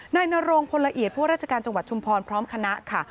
นโรงพลละเอียดผู้ว่าราชการจังหวัดชุมพรพร้อมคณะค่ะ